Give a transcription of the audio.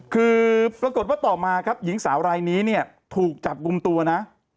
คือปรากฏว่าต่อมาครับหญิงสาวรายนี้เนี่ยถูกจับกลุ่มตัวนะ